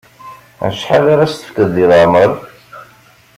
Acḥal ara as-tefkeḍ deg leɛmeṛ?